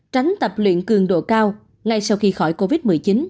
tránh tập luyện cường độ cao ngay sau khi khỏi covid một mươi chín